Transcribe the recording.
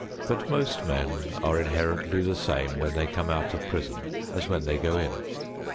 But most men are inherently the same when they come out of prison as when they go in.